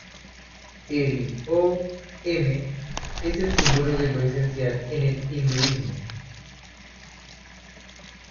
El O"ṃ" es el símbolo de lo esencial en el hinduismo.